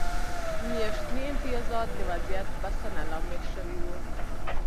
میاشتني امتیازات د وضعیت بسنه لامل شوي وو.